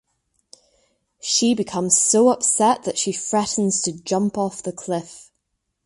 She becomes so upset that she threatens to jump off the cliff.